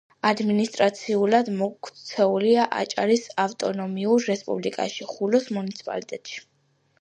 ადმინისტრაციულად მოქცეულია აჭარის ავტონომიურ რესპუბლიკაში, ხულოს მუნიციპალიტეტში.